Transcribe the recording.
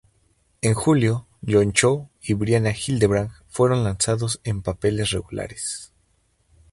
En julio, John Cho y Brianna Hildebrand fueron lanzados en papeles regulares.